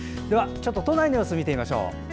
都内の様子を見てみましょう。